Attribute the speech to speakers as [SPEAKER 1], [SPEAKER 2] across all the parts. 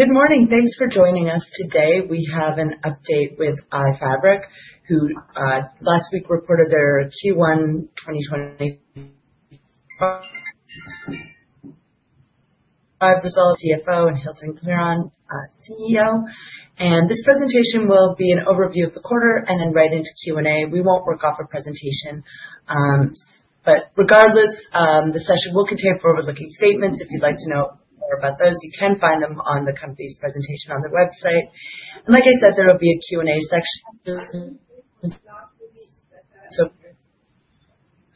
[SPEAKER 1] Good morning. Thanks for joining us today. We have an update with iFabric, who last week reported their Q1 2025 results. CFO and Hylton Karon, CEO. This presentation will be an overview of the quarter and then right into Q&A. We will not work off a presentation. Regardless, the session will contain forward-looking statements. If you'd like to know more about those, you can find them on the company's presentation on their website. Like I said, there will be a Q&A section.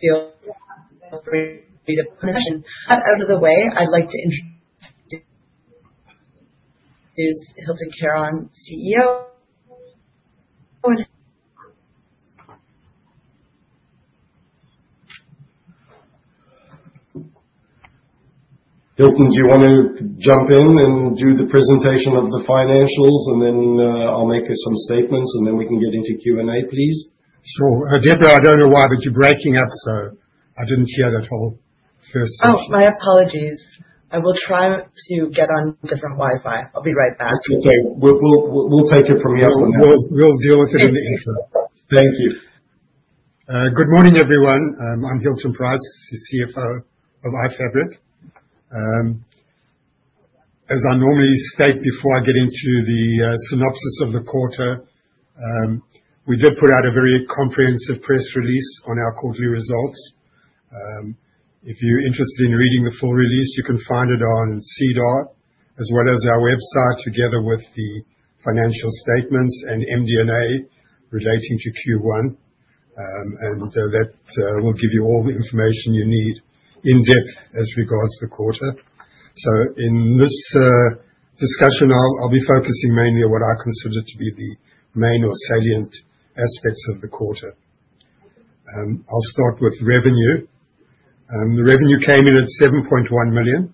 [SPEAKER 1] Feel free to put a question. Out of the way, I'd like to introduce Hylton Karon, CEO.
[SPEAKER 2] Hilton, do you want to jump in and do the presentation of the financials? Then I'll make some statements, and then we can get into Q&A, please.
[SPEAKER 3] Sure. I don't know why, but you're breaking up, so I didn't hear that whole first section.
[SPEAKER 1] Oh, my apologies. I will try to get on different Wi-Fi. I'll be right back.
[SPEAKER 2] That's okay. We'll take it from here from now. We'll deal with it in the interview. Thank you.
[SPEAKER 3] Good morning, everyone. I'm Hilton Price, CFO of iFabric . As I normally state before I get into the synopsis of the quarter, we did put out a very comprehensive press release on our quarterly results. If you're interested in reading the full release, you can find it on CDOT, as well as our website together with the financial statements and MD&A relating to Q1. That will give you all the information you need in depth as regards the quarter. In this discussion, I'll be focusing mainly on what I consider to be the main or salient aspects of the quarter. I'll start with revenue. The revenue came in at 7.1 million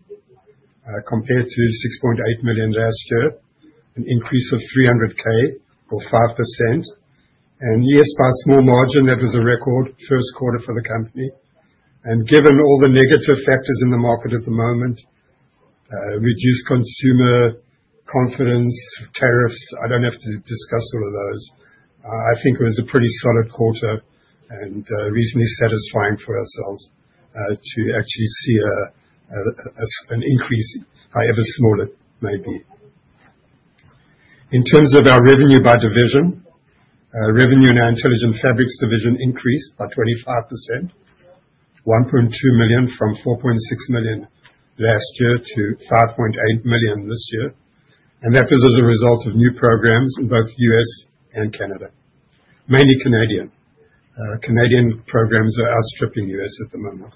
[SPEAKER 3] compared to 6.8 million last year, an increase of 300,000, or 5%. By small margin, that was a record first quarter for the company. Given all the negative factors in the market at the moment, reduced consumer confidence, tariffs, I do not have to discuss all of those. I think it was a pretty solid quarter and reasonably satisfying for ourselves to actually see an increase, however small it may be. In terms of our revenue by division, revenue in our Intelligent Fabrics division increased by 25%, 1.2 million from 4.6 million last year to 5.8 million this year. That was as a result of new programs in both the U.S. and Canada, mainly Canadian. Canadian programs are outstripping U.S. at the moment.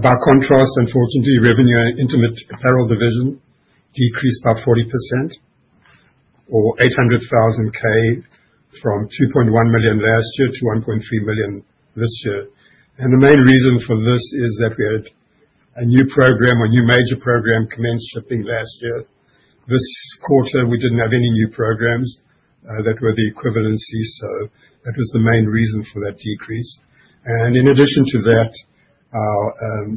[SPEAKER 3] By contrast, unfortunately, revenue in the Intimate Apparel division decreased by 40%, or 800,000 from 2.1 million last year to 1.3 million this year. The main reason for this is that we had a new program, a new major program commence shipping last year. This quarter, we did not have any new programs that were the equivalency. That was the main reason for that decrease. In addition to that, our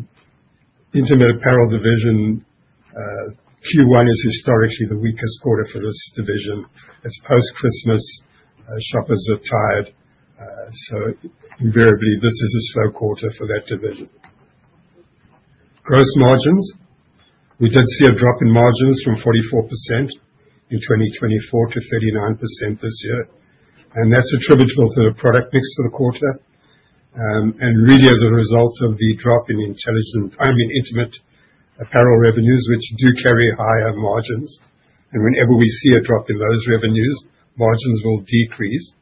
[SPEAKER 3] Intimate Apparel division, Q1 is historically the weakest quarter for this division. It is post-Christmas. Shoppers are tired. Invariably, this is a slow quarter for that division. Gross margins, we did see a drop in margins from 44% in 2024 to 39% this year. That is attributable to the product mix for the quarter. Really, as a result of the drop in Intimate Apparel revenues, which do carry higher margins. Whenever we see a drop in those revenues, margins will decrease.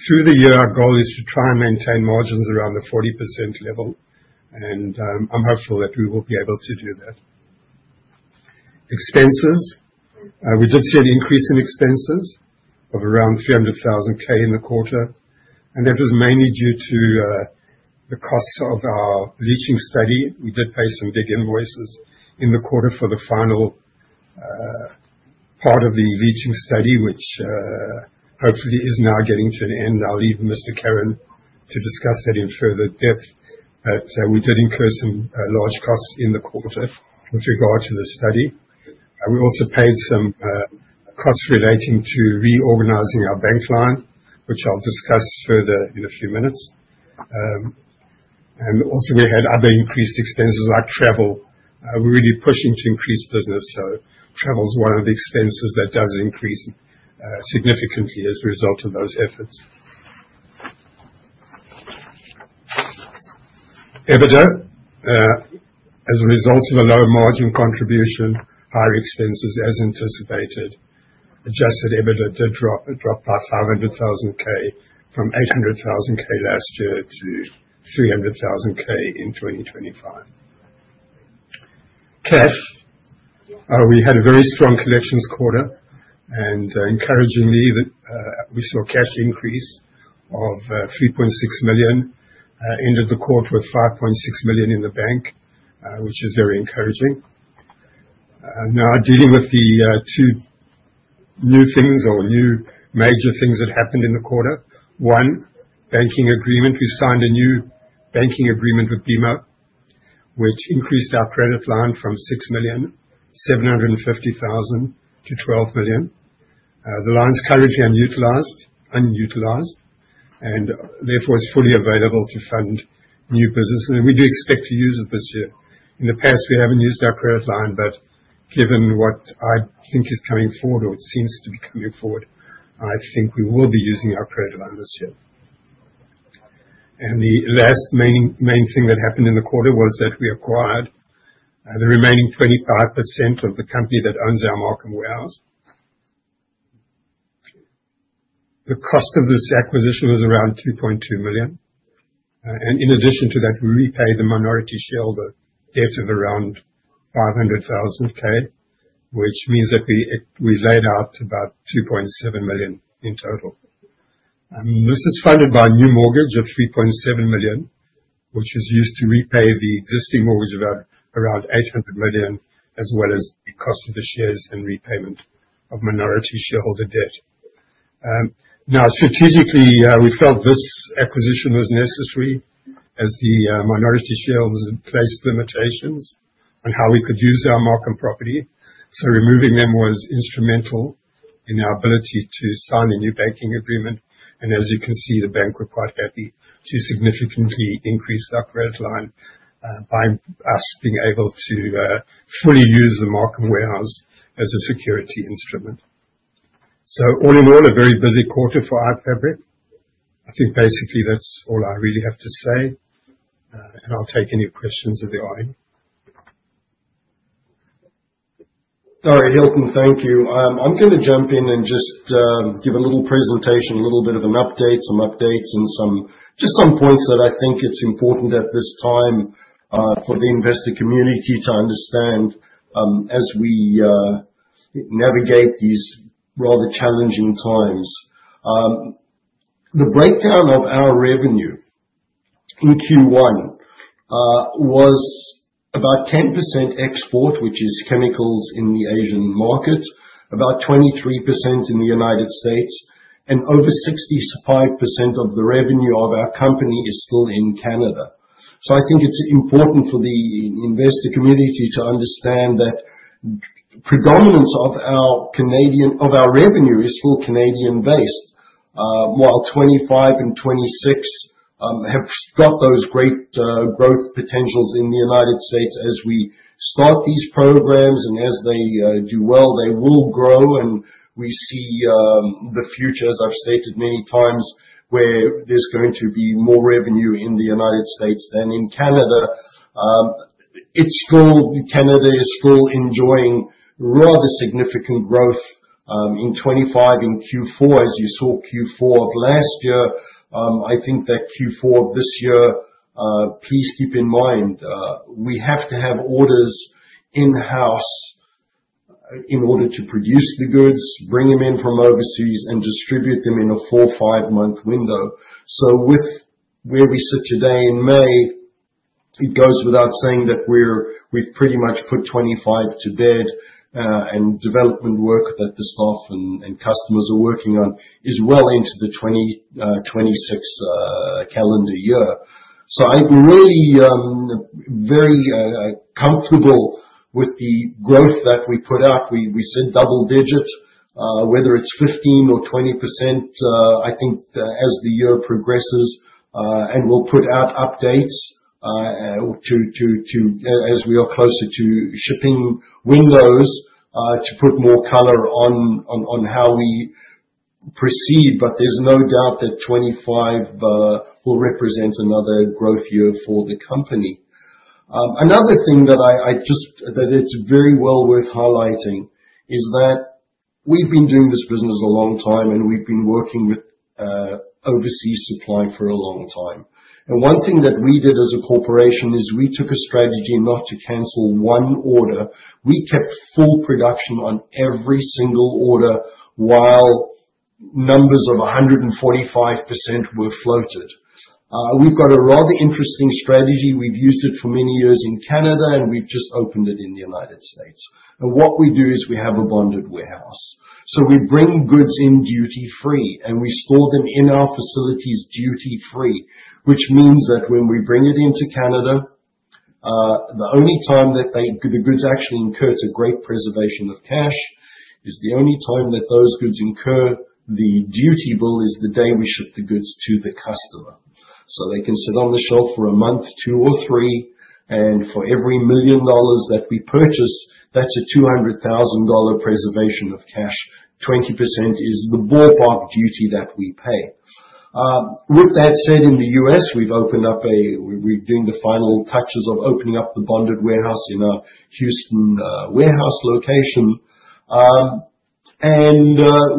[SPEAKER 3] Through the year, our goal is to try and maintain margins around the 40% level. I am hopeful that we will be able to do that. Expenses, we did see an increase in expenses of around 300,000 in the quarter. That was mainly due to the costs of our leaching study. We did pay some big invoices in the quarter for the final part of the leaching study, which hopefully is now getting to an end. I will leave Mr. Karon to discuss that in further depth. We did incur some large costs in the quarter with regard to the study. We also paid some costs relating to reorganizing our bank line, which I will discuss further in a few minutes. We had other increased expenses like travel. We are really pushing to increase business. Travel is one of the expenses that does increase significantly as a result of those efforts. EBITDA, as a result of a low margin contribution, higher expenses as anticipated. Adjusted EBITDA did drop by $500,000 from $800,000 last year to $300,000 in 2025. Cash, we had a very strong collections quarter. Encouragingly, we saw cash increase of 3.6 million. Ended the quarter with 5.6 million in the bank, which is very encouraging. Now, dealing with the two new things or new major things that happened in the quarter. One, banking agreement. We signed a new banking agreement with BMO, which increased our credit line from 6,750,000 to 12 million. The line's currently unutilized, and therefore is fully available to fund new businesses. We do expect to use it this year. In the past, we haven't used our credit line. Given what I think is coming forward, or it seems to be coming forward, I think we will be using our credit line this year. The last main thing that happened in the quarter was that we acquired the remaining 25% of the company that owns our Markham warehouse. The cost of this acquisition was around 2.2 million. In addition to that, we repaid the minority share of the debt of around 500,000, which means that we laid out about 2.7 million in total. This is funded by a new mortgage of 3.7 million, which is used to repay the existing mortgage of around 800,000, as well as the cost of the shares and repayment of minority shareholder debt. Strategically, we felt this acquisition was necessary as the minority shares placed limitations on how we could use our Markham property. Removing them was instrumental in our ability to sign a new banking agreement. As you can see, the bank were quite happy to significantly increase our credit line by us being able to fully use the mark and warehouse as a security instrument. All in all, a very busy quarter for iFabric. I think basically that's all I really have to say. I'll take any questions of the aisle. All right, Hilton, thank you. I'm going to jump in and just give a little presentation, a little bit of an update, some updates, and just some points that I think it's important at this time for the investor community to understand as we navigate these rather challenging times. The breakdown of our revenue in Q1 was about 10% export, which is chemicals in the Asian market, about 23% in the United States, and over 65% of the revenue of our company is still in Canada. I think it's important for the investor community to understand that predominance of our revenue is still Canadian-based, while 25% and 26% have got those great growth potentials in the United States. As we start these programs and as they do well, they will grow. We see the future, as I've stated many times, where there's going to be more revenue in the United States than in Canada. Canada is still enjoying rather significant growth in 25% in Q4, as you saw Q4 of last year. I think that Q4 of this year, please keep in mind, we have to have orders in-house in order to produce the goods, bring them in from overseas, and distribute them in a four or five-month window. With where we sit today in May, it goes without saying that we've pretty much put 25% to bed, and development work that the staff and customers are working on is well into the 2026 calendar year. I'm really very comfortable with the growth that we put out. We said double-digit, whether it's 15% or 20%, I think as the year progresses, and we'll put out updates as we are closer to shipping windows to put more color on how we proceed. There's no doubt that 25% will represent another growth year for the company. Another thing that I just think is very well worth highlighting is that we've been doing this business a long time, and we've been working with overseas supply for a long time. One thing that we did as a corporation is we took a strategy not to cancel one order. We kept full production on every single order while numbers of 145% were floated. We've got a rather interesting strategy. We've used it for many years in Canada, and we've just opened it in the United States. What we do is we have a bonded warehouse. We bring goods in duty-free, and we store them in our facilities duty-free, which means that when we bring it into Canada, the only time that the goods actually incur a great preservation of cash is the only time that those goods incur the duty bill is the day we ship the goods to the customer. They can sit on the shelf for a month, 2 or 3. For every $1 million that we purchase, that's a $200,000 preservation of cash. 20% is the ballpark duty that we pay. With that said, in the U.S., we've opened up a, we're doing the final touches of opening up the bonded warehouse in our Houston warehouse location.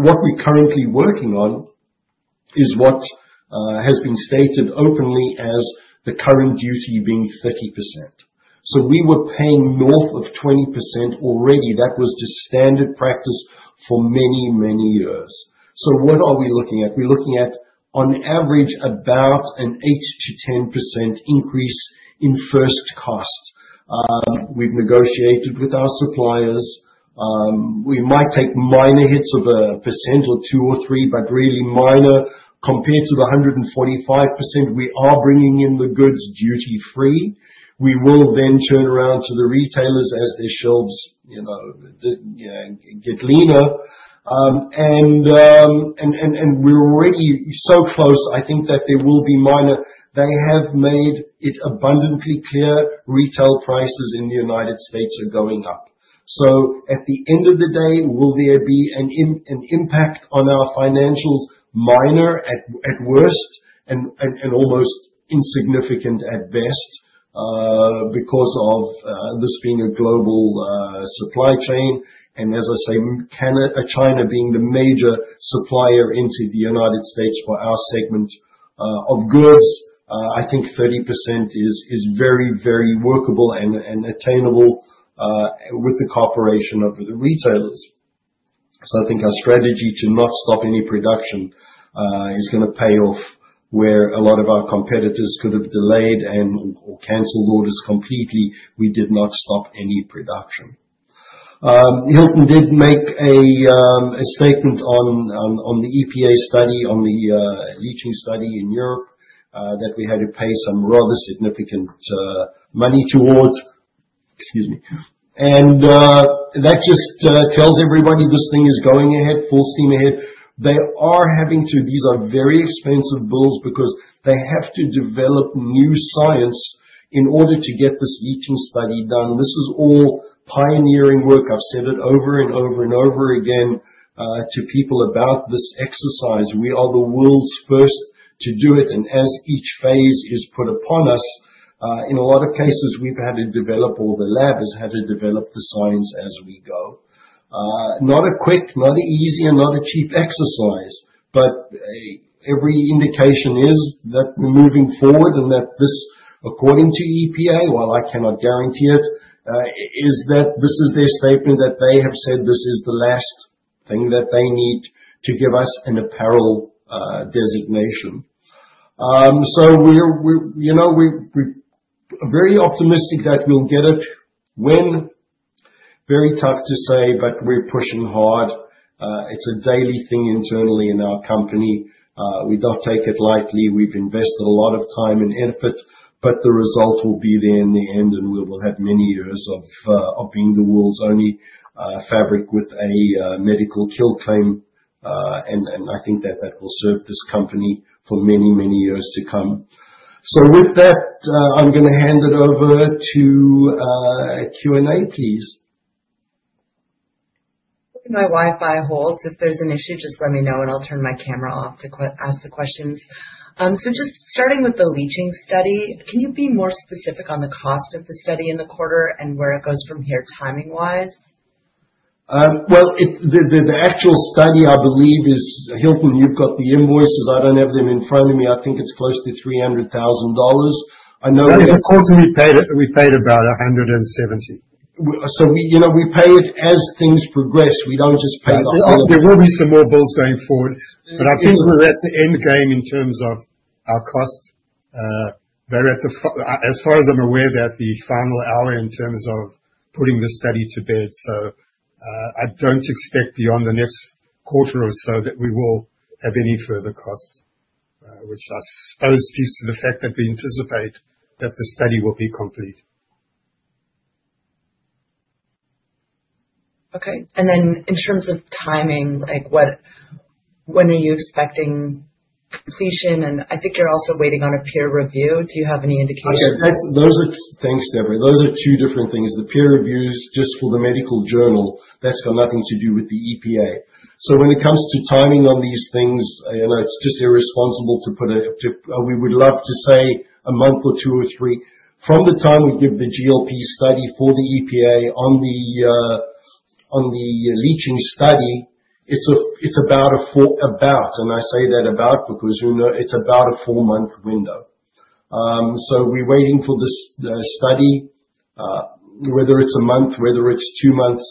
[SPEAKER 3] What we're currently working on is what has been stated openly as the current duty being 30%. We were paying north of 20% already. That was the standard practice for many, many years. What are we looking at? We're looking at, on average, about an 8-10% increase in first cost. We've negotiated with our suppliers. We might take minor hits of a percent or 2 or 3, but really minor compared to the 145%. We are bringing in the goods duty-free. We will then turn around to the retailers as their shelves get leaner. We're already so close, I think, that there will be minor. They have made it abundantly clear retail prices in the U.S. are going up. At the end of the day, will there be an impact on our financials? Minor at worst and almost insignificant at best because of this being a global supply chain. As I say, China being the major supplier into U.S. for our segment of goods, I think 30% is very, very workable and attainable with the cooperation of the retailers. I think our strategy to not stop any production is going to pay off where a lot of our competitors could have delayed and canceled orders completely. We did not stop any Hylton Karon did make a statement on the EPA study, on the leaching study in Europe, that we had to pay some rather significant money towards. Excuse me. That just tells everybody this thing is going ahead, full steam ahead. They are having to—these are very expensive bills because they have to develop new science in order to get this leaching study done. This is all pioneering work. I've said it over and over again to people about this exercise. We are the world's first to do it. As each phase is put upon us, in a lot of cases, we've had to develop, or the lab has had to develop the science as we go. Not a quick, not an easy, and not a cheap exercise. Every indication is that we're moving forward and that this, according to EPA, while I cannot guarantee it, is that this is their statement that they have said this is the last thing that they need to give us an apparel designation. We're very optimistic that we'll get it when. Very tough to say, but we're pushing hard. It's a daily thing internally in our company. We don't take it lightly. We've invested a lot of time and effort, but the result will be there in the end, and we will have many years of being the world's only fabric with a medical kill claim. I think that that will serve this company for many, many years to come. With that, I'm going to hand it over to Q&A, please.
[SPEAKER 1] My Wi-Fi holds. If there's an issue, just let me know, and I'll turn my camera off to ask the questions. Just starting with the leaching study, can you be more specific on the cost of the study in the quarter and where it goes from here timing-wise?
[SPEAKER 2] The actual study, I believe, is Hilton, you've got the invoices. I don't have them in front of me. I think it's close to $300,000. I know. No, the quarter, we paid about $170,000. So we pay it as things progress. We do not just pay it off. There will be some more bills going forward. I think we're at the end game in terms of our cost.
[SPEAKER 3] As far as I'm aware, that's the final hour in terms of putting the study to bed. I don't expect beyond the next quarter or so that we will have any further costs, which I suppose speaks to the fact that we anticipate that the study will be complete.
[SPEAKER 1] Okay. In terms of timing, when are you expecting completion? I think you're also waiting on a peer review. Do you have any indication?
[SPEAKER 3] Those are—thanks, Deborah. Those are two different things. The peer review is just for the medical journal, that's got nothing to do with the EPA. When it comes to timing on these things, it's just irresponsible to put a—we would love to say a month or two or three. From the time we give the GLP study for the EPA on the leaching study, it's about a—and I say that about because it's about a four-month window. We're waiting for this study, whether it's a month, whether it's two months,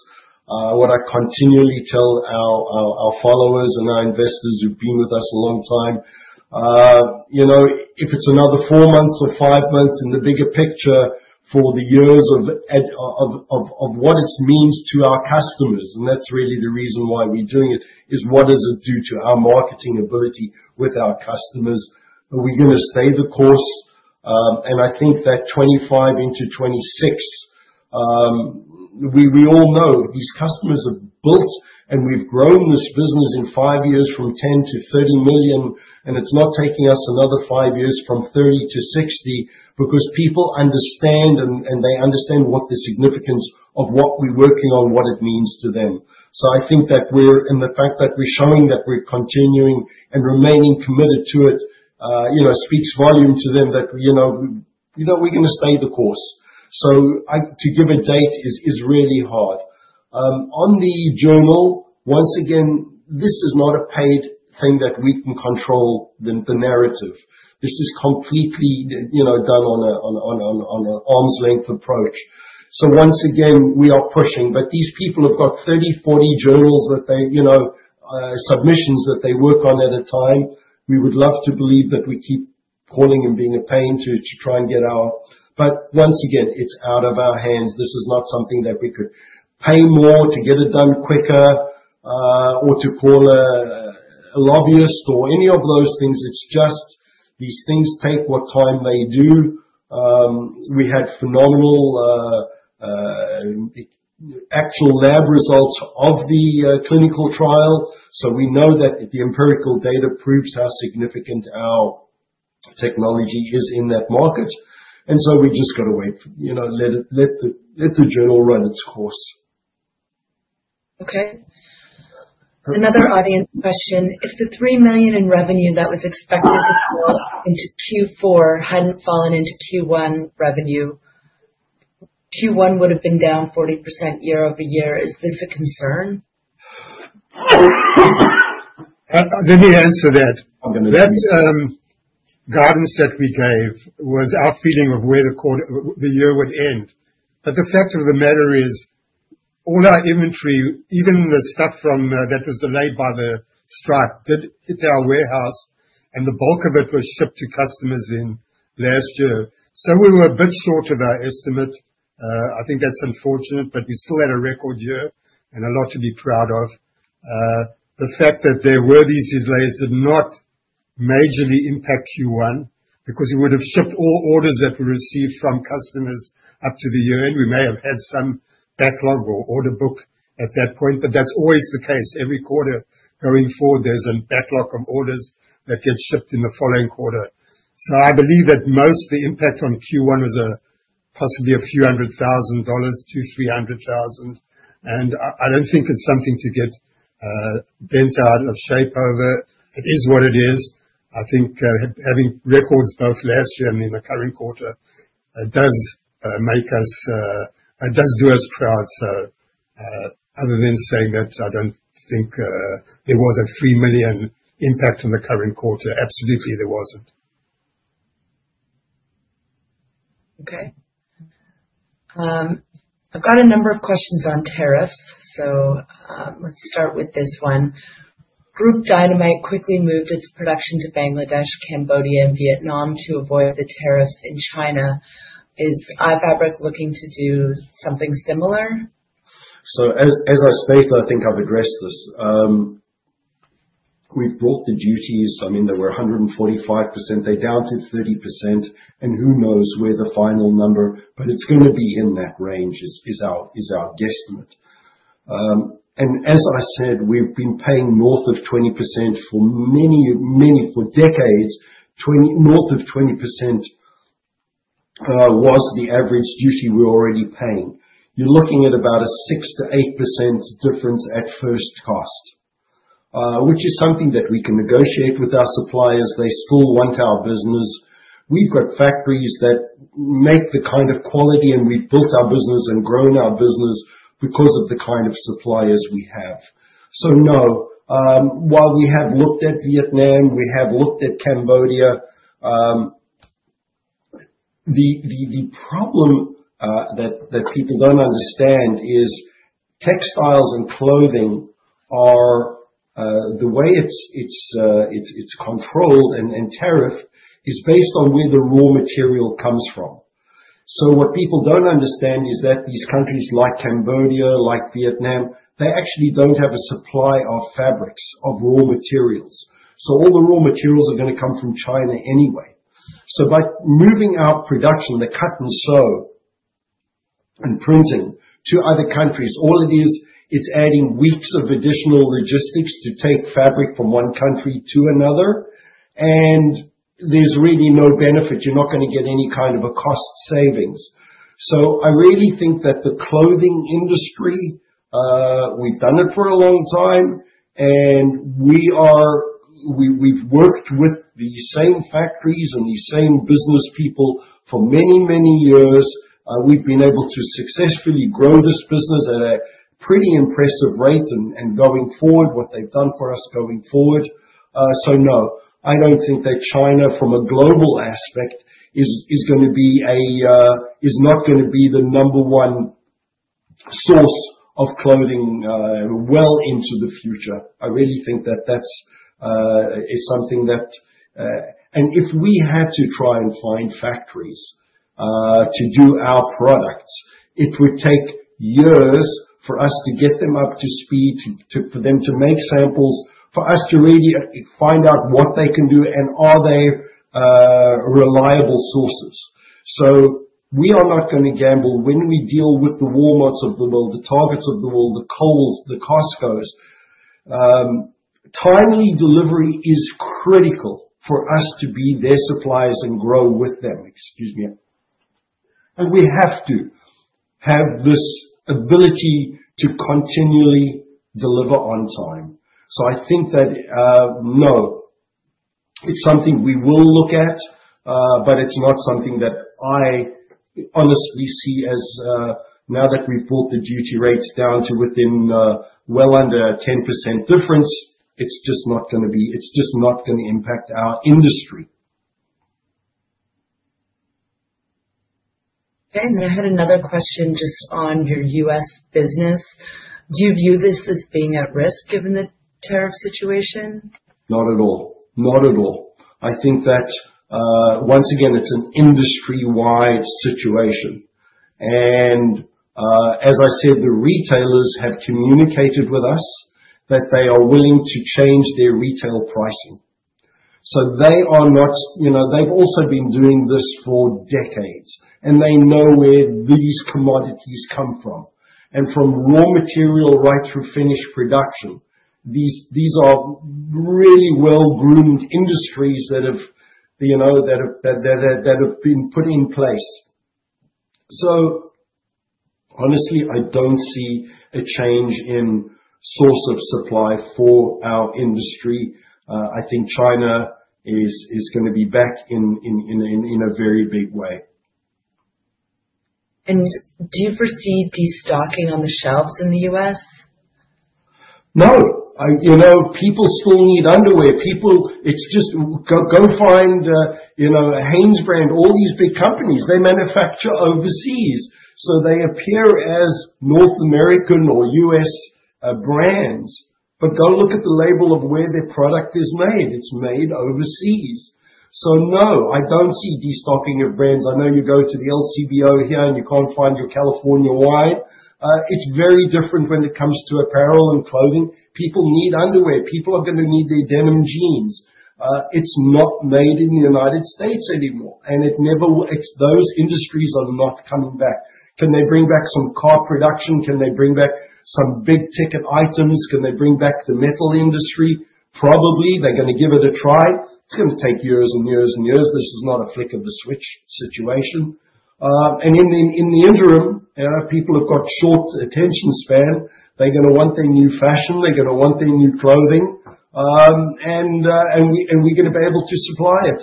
[SPEAKER 3] what I continually tell our followers and our investors who've been with us a long time, if it's another four months or five months in the bigger picture for the years of what it means to our customers. That's really the reason why we're doing it, is what does it do to our marketing ability with our customers? Are we going to stay the course? I think that 25% into 26%, we all know these customers have built and we have grown this business in five years from $10 million to $30 million. It is not taking us another five years from $30 million to $60 million because people understand and they understand what the significance of what we are working on, what it means to them. I think that we are—and the fact that we are showing that we are continuing and remaining committed to it speaks volumes to them that we are going to stay the course. To give a date is really hard. On the journal, once again, this is not a paid thing that we can control the narrative. This is completely done on an arm's length approach. Once again, we are pushing. These people have got 30, 40 journals that they—submissions that they work on at a time. We would love to believe that we keep calling and being a pain to try and get our—but once again, it is out of our hands. This is not something that we could pay more to get it done quicker or to call a lobbyist or any of those things. It is just these things take what time they do. We had phenomenal actual lab results of the clinical trial. We know that the empirical data proves how significant our technology is in that market. We just got to wait. Let the journal run its course.
[SPEAKER 1] Okay. Another audience question. If the $3 million in revenue that was expected to fall into Q4 had not fallen into Q1 revenue, Q1 would have been down 40% year over year. Is this a concern?
[SPEAKER 2] Let me answer that. That guidance that we gave was our feeling of where the year would end. The fact of the matter is all our inventory, even the stuff that was delayed by the strike, did hit our warehouse, and the bulk of it was shipped to customers in last year. We were a bit short of our estimate. I think that's unfortunate, but we still had a record year and a lot to be proud of. The fact that there were these delays did not majorly impact Q1 because we would have shipped all orders that we received from customers up to the year. We may have had some backlog or order book at that point, but that's always the case. Every quarter going forward, there's a backlog of orders that get shipped in the following quarter.
[SPEAKER 3] I believe that most of the impact on Q1 was possibly a few hundred thousand dollars, two, three hundred thousand. I do not think it is something to get bent out of shape over. It is what it is. I think having records both last year and in the current quarter does make us—does do us proud. Other than saying that, I do not think there was a $3 million impact in the current quarter. Absolutely, there was not.
[SPEAKER 1] Okay. I've got a number of questions on tariffs. Let's start with this one. Group Dynamite quickly moved its production to Bangladesh, Cambodia, and Vietnam to avoid the tariffs in China. Is iFabric looking to do something similar?
[SPEAKER 3] As I stated, I think I've addressed this. We've brought the duties. I mean, they were 145%. They're down to 30%. Who knows where the final number—but it's going to be in that range is our guesstimate. As I said, we've been paying north of 20% for many, many decades. North of 20% was the average duty we're already paying. You're looking at about a 6-8% difference at first cost, which is something that we can negotiate with our suppliers. They still want our business. We've got factories that make the kind of quality, and we've built our business and grown our business because of the kind of suppliers we have. No. While we have looked at Vietnam, we have looked at Cambodia. The problem that people don't understand is textiles and clothing, the way it's controlled and tariffed is based on where the raw material comes from. What people don't understand is that these countries like Cambodia, like Vietnam, they actually don't have a supply of fabrics, of raw materials. All the raw materials are going to come from China anyway. By moving our production, the cut and sew and printing to other countries, all it is, it's adding weeks of additional logistics to take fabric from one country to another. There's really no benefit. You're not going to get any kind of a cost savings. I really think that the clothing industry, we've done it for a long time. We've worked with the same factories and the same business people for many, many years. We've been able to successfully grow this business at a pretty impressive rate and going forward, what they've done for us going forward. No, I don't think that China from a global aspect is going to be a—is not going to be the number one source of clothing well into the future. I really think that that's something that—and if we had to try and find factories to do our products, it would take years for us to get them up to speed, for them to make samples, for us to really find out what they can do and are they reliable sources. We are not going to gamble when we deal with the Walmarts of the world, the Targets of the world, the Kohl's, the Costcos. Timely delivery is critical for us to be their suppliers and grow with them. Excuse me. We have to have this ability to continually deliver on time. I think that no, it's something we will look at, but it's not something that I honestly see as now that we've brought the duty rates down to within well under a 10% difference, it's just not going to be—it's just not going to impact our industry.
[SPEAKER 1] Okay. I had another question just on your U.S. business. Do you view this as being at risk given the tariff situation? Not at all. Not at all. I think that once again, it's an industry-wide situation. As I said, the retailers have communicated with us that they are willing to change their retail pricing. They have also been doing this for decades, and they know where these commodities come from. From raw material right through finished production, these are really well-groomed industries that have been put in place. Honestly, I do not see a change in source of supply for our industry. I think China is going to be back in a very big way. Do you foresee destocking on the shelves in the U.S.?
[SPEAKER 3] No. People still need underwear. People, it's just go find a Hanes brand, all these big companies. They manufacture overseas. They appear as North American or U.S. brands. Go look at the label of where their product is made. It's made overseas. No, I don't see destocking of brands. I know you go to the LCBO here and you can't find your California wine. It's very different when it comes to apparel and clothing. People need underwear. People are going to need their denim jeans. It's not made in the U.S. anymore. Those industries are not coming back. Can they bring back some car production? Can they bring back some big-ticket items? Can they bring back the metal industry? Probably. They're going to give it a try. It's going to take years and years and years. This is not a flick of the switch situation. In the interim, people have got short attention span. They're going to want their new fashion. They're going to want their new clothing. We're going to be able to supply it.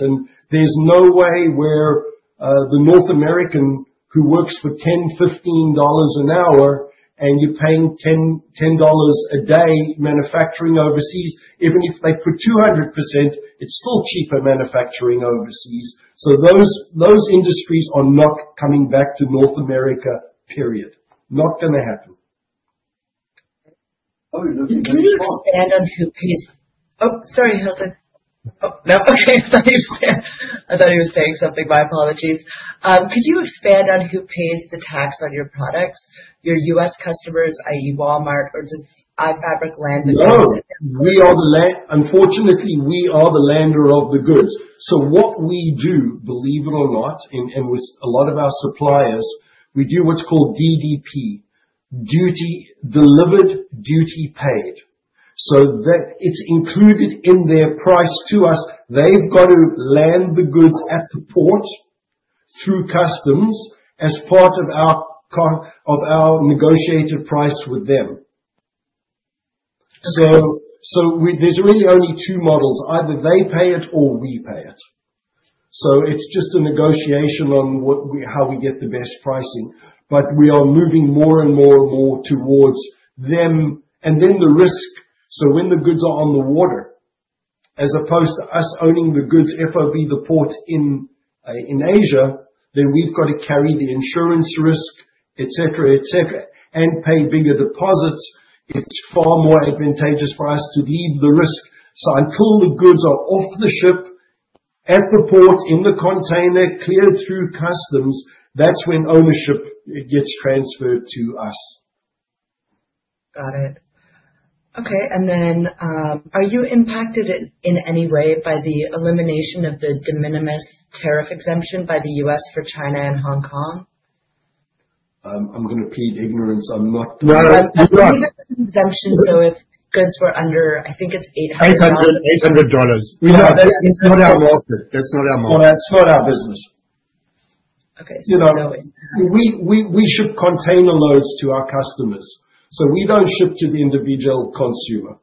[SPEAKER 3] There is no way where the North American who works for $10-$15 an hour and you're paying $10 a day manufacturing overseas, even if they put 200%, it's still cheaper manufacturing overseas. Those industries are not coming back to North America, period. Not going to happen.
[SPEAKER 1] Could you expand on who pays? Oh, sorry, Hilton. Oh, no. Okay. I thought you were saying something. My apologies. Could you expand on who pays the tax on your products? Your U.S. customers, i.e., Walmart, or does iFabric land the goods?
[SPEAKER 3] No. Unfortunately, we are the lander of the goods. So what we do, believe it or not, and with a lot of our suppliers, we do what's called DDP, Duty Delivered, Duty Paid. So it's included in their price to us. They've got to land the goods at the port through customs as part of our negotiated price with them. So there's really only 2 models. Either they pay it or we pay it. So it's just a negotiation on how we get the best pricing. We are moving more and more and more towards them. And then the risk. When the goods are on the water, as opposed to us owning the goods FOB the port in Asia, then we've got to carry the insurance risk, etc., etc., and pay bigger deposits. It's far more advantageous for us to leave the risk. Until the goods are off the ship at the port in the container, cleared through customs, that's when ownership gets transferred to us.
[SPEAKER 1] Got it. Okay. Are you impacted in any way by the elimination of the de minimis tariff exemption by the U.S. for China and Hong Kong?
[SPEAKER 3] I'm going to plead ignorance. I'm not.
[SPEAKER 1] No. You have an exemption. So if goods were under, I think it's $800.
[SPEAKER 3] $800. We know. That's not our market. That's not our market. That's not our business.
[SPEAKER 1] Okay. So no way.
[SPEAKER 3] We ship container loads to our customers. We don't ship to the individual consumer.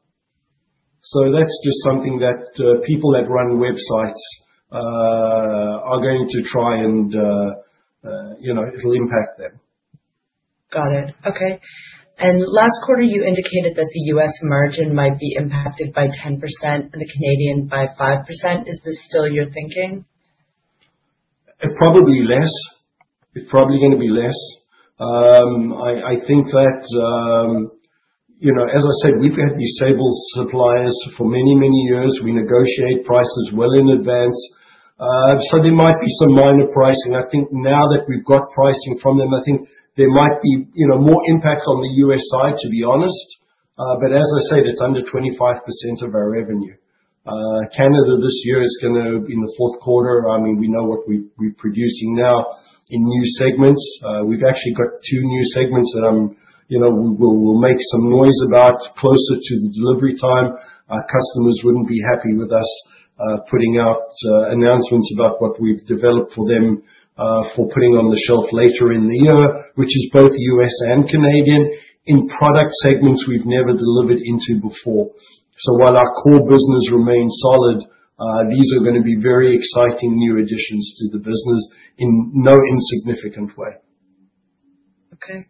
[SPEAKER 3] That's just something that people that run websites are going to try and it'll impact them.
[SPEAKER 1] Got it. Okay. Last quarter, you indicated that the U.S. margin might be impacted by 10% and the Canadian by 5%. Is this still your thinking?
[SPEAKER 3] Probably less. It's probably going to be less. I think that, as I said, we've had these stable suppliers for many, many years. We negotiate prices well in advance. There might be some minor pricing. I think now that we've got pricing from them, I think there might be more impact on the U.S. side, to be honest. As I said, it's under 25% of our revenue. Canada this year is going to, in the fourth quarter, I mean, we know what we're producing now in new segments. We've actually got two new segments that we'll make some noise about closer to the delivery time. Our customers wouldn't be happy with us putting out announcements about what we've developed for them for putting on the shelf later in the year, which is both U.S. and Canadian in product segments we've never delivered into before. While our core business remains solid, these are going to be very exciting new additions to the business in no insignificant way.
[SPEAKER 1] Okay.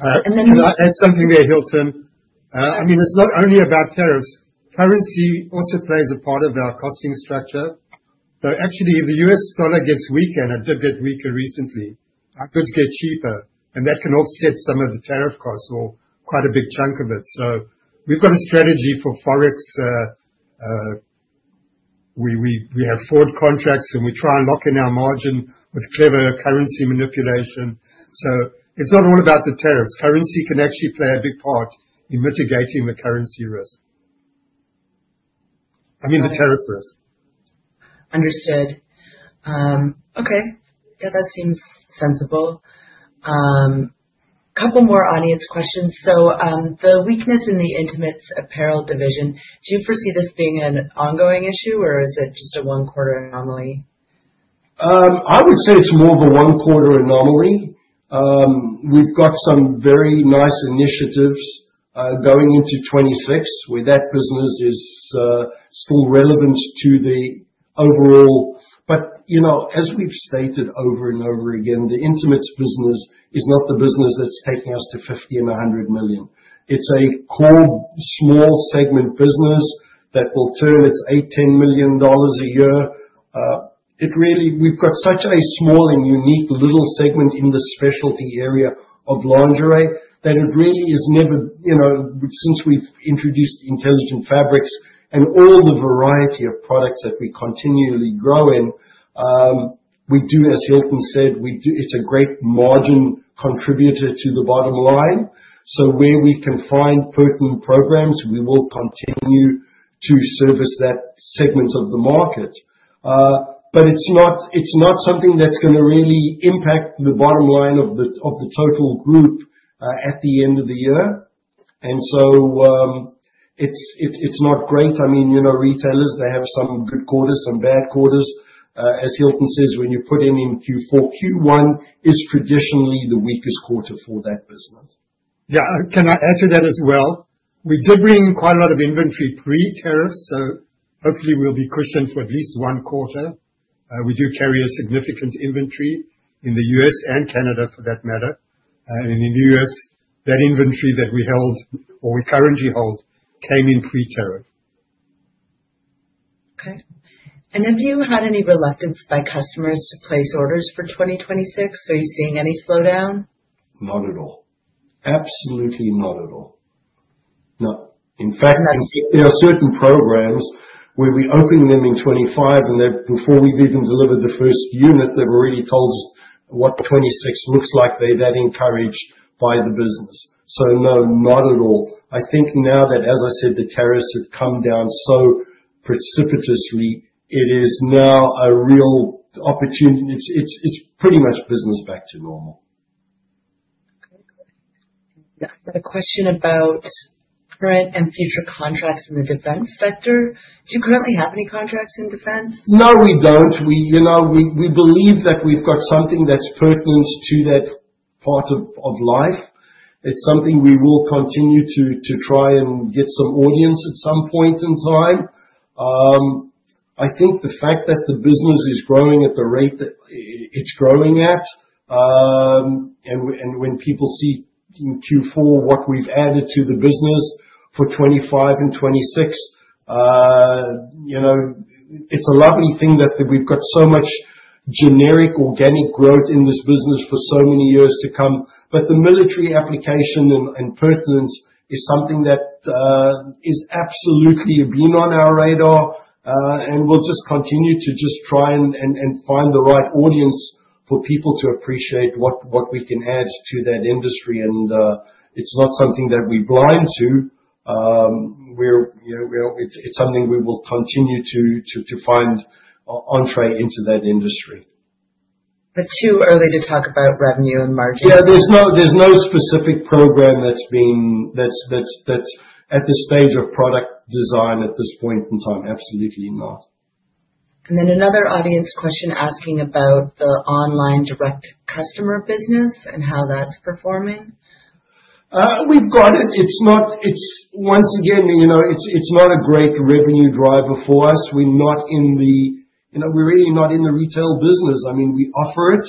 [SPEAKER 1] And then.
[SPEAKER 2] Can I add something there, Hilton? I mean, it's not only about tariffs. Currency also plays a part of our costing structure. Actually, if the US dollar gets weaker, and it did get weaker recently, our goods get cheaper. That can offset some of the tariff costs or quite a big chunk of it. We have a strategy for Forex. We have forward contracts, and we try and lock in our margin with clever currency manipulation. It's not all about the tariffs. Currency can actually play a big part in mitigating the currency risk. I mean, the tariff risk.
[SPEAKER 1] Understood. Okay. Yeah, that seems sensible. A couple more audience questions. So the weakness in the Intimate Apparel division, do you foresee this being an ongoing issue, or is it just a one-quarter anomaly?
[SPEAKER 3] I would say it's more of a one-quarter anomaly. We've got some very nice initiatives going into 2026 where that business is still relevant to the overall. As we've stated over and over again, the intimates business is not the business that's taking us to $50 million and $100 million. It's a core small segment business that will turn its $8 million, $10 million a year. We've got such a small and unique little segment in the specialty area of lingerie that it really is never, since we've introduced Intelligent Fabrics and all the variety of products that we continually grow in, we do, Hylton Karon said, it's a great margin contributor to the bottom line. Where we can find pertinent programs, we will continue to service that segment of the market. It is not something that is going to really impact the bottom line of the total group at the end of the year. It is not great. I mean, retailers, they have some good quarters, some bad quarters. As Hylton says, when you put in in Q4, Q1 is traditionally the weakest quarter for that business. Yeah. Can I add to that as well? We did bring in quite a lot of inventory pre-tariffs. Hopefully, we will be cushioned for at least one quarter. We do carry a significant inventory in the U.S. and Canada for that matter. In the U.S., that inventory that we held or we currently hold came in pre-tariff.
[SPEAKER 1] Okay. Have you had any reluctance by customers to place orders for 2026? Are you seeing any slowdown?
[SPEAKER 3] Not at all. Absolutely not at all. No. In fact, there are certain programs where we open them in 2025, and before we've even delivered the first unit, they've already told us what 2026 looks like. They're that encouraged by the business. No, not at all. I think now that, as I said, the tariffs have come down so precipitously, it is now a real opportunity. It's pretty much business back to normal.
[SPEAKER 1] Okay. Got a question about current and future contracts in the defense sector. Do you currently have any contracts in defense?
[SPEAKER 3] No, we do not. We believe that we have got something that is pertinent to that part of life. It is something we will continue to try and get some audience at some point in time. I think the fact that the business is growing at the rate that it is growing at, and when people see in Q4 what we have added to the business for 2025 and 2026, it is a lovely thing that we have got so much generic organic growth in this business for so many years to come. The military application and pertinence is something that has absolutely been on our radar. We will just continue to try and find the right audience for people to appreciate what we can add to that industry. It is not something that we are blind to. It is something we will continue to find entrée into that industry.
[SPEAKER 1] Too early to talk about revenue and margin.
[SPEAKER 3] Yeah. There's no specific program that's at the stage of product design at this point in time. Absolutely not.
[SPEAKER 1] Another audience question asking about the online direct customer business and how that's performing.
[SPEAKER 3] We've got it. Once again, it's not a great revenue driver for us. We're not in the, we're really not in the retail business. I mean, we offer it,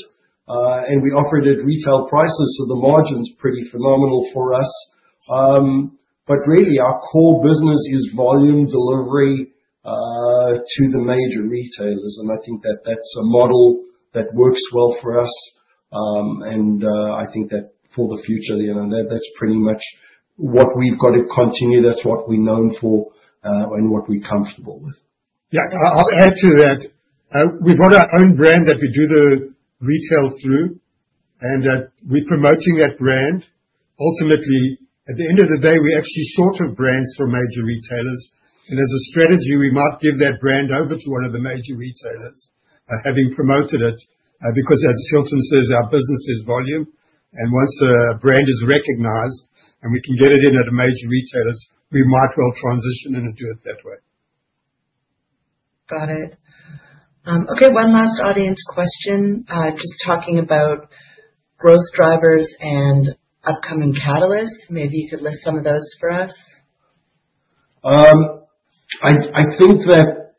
[SPEAKER 3] and we offer it at retail prices. The margin's pretty phenomenal for us. Really, our core business is volume delivery to the major retailers. I think that that's a model that works well for us. I think that for the future, that's pretty much what we've got to continue. That's what we're known for and what we're comfortable with.
[SPEAKER 2] Yeah. I'll add to that. We've got our own brand that we do the retail through. We're promoting that brand. Ultimately, at the end of the day, we actually sort of brands for major retailers. As a strategy, we might give that brand over to one of the major retailers having promoted it. Because as Hilton says, our business is volume. Once a brand is recognized and we can get it in at the major retailers, we might well transition and do it that way.
[SPEAKER 1] Got it. Okay. One last audience question, just talking about growth drivers and upcoming catalysts. Maybe you could list some of those for us.
[SPEAKER 3] I think that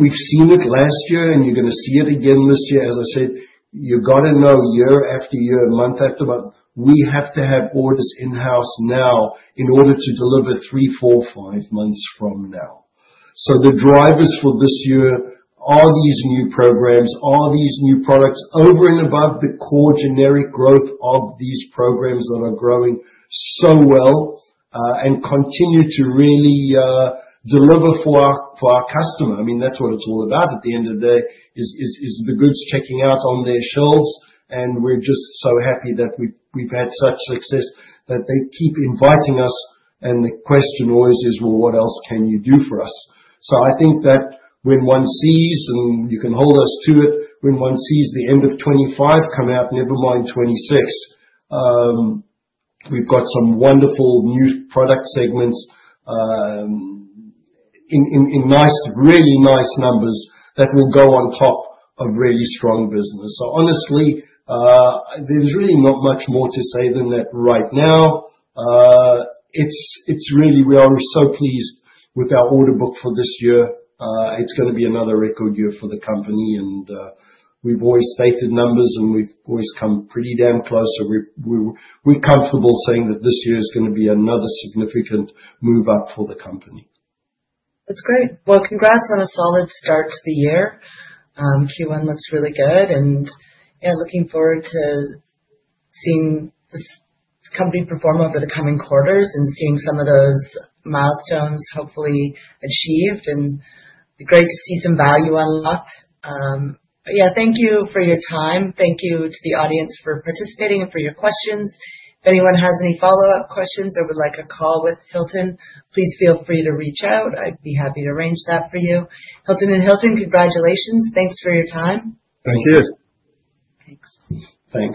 [SPEAKER 3] we've seen it last year, and you're going to see it again this year. As I said, you've got to know year after year, month after month, we have to have orders in-house now in order to deliver 3-5 months from now. The drivers for this year are these new programs, these new products over and above the core generic growth of these programs that are growing so well and continue to really deliver for our customer. I mean, that's what it's all about at the end of the day, is the goods checking out on their shelves. We're just so happy that we've had such success that they keep inviting us. The question always is, what else can you do for us? I think that when one sees, and you can hold us to it, when one sees the end of 2025 come out, never mind 2026, we've got some wonderful new product segments in really nice numbers that will go on top of really strong business. Honestly, there's really not much more to say than that right now. It's really we are so pleased with our order book for this year. It's going to be another record year for the company. We've always stated numbers, and we've always come pretty damn close. We're comfortable saying that this year is going to be another significant move up for the company.
[SPEAKER 1] That's great. Congrats on a solid start to the year. Q1 looks really good. Yeah, looking forward to seeing this company perform over the coming quarters and seeing some of those milestones hopefully achieved. It'd be great to see some value unlocked. Yeah, thank you for your time. Thank you to the audience for participating and for your questions. If anyone has any follow-up questions or would like a call with Hilton, please feel free to reach out. I'd be happy to arrange that for you. Hilton and Hylton, congratulations. Thanks for your time.
[SPEAKER 3] Thank you.
[SPEAKER 1] Thanks.
[SPEAKER 3] Thanks.